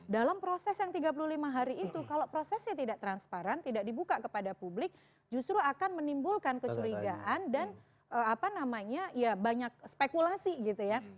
dalam proses yang tiga puluh lima hari itu kalau prosesnya tidak transparan tidak dibuka kepada publik justru akan menimbulkan kecurigaan dan apa namanya ya banyak spekulasi gitu ya